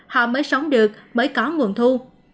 họ mới sống được mới có nguồn thu